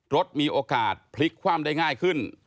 รถมีโอกาสพลิกคว่ำได้ง่ายขึ้น